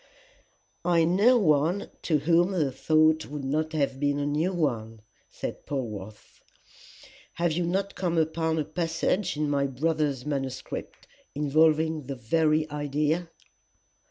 "I know one to whom the thought would not have been a new one," said Polwarth. "Have you not come upon a passage in my brother's manuscript involving the very idea?"